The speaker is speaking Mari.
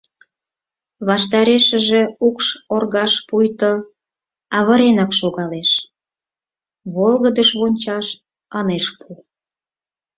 Ваштарешыже укш оргаж пуйто авыренак шогалеш, волгыдыш вончаш ынеж пу.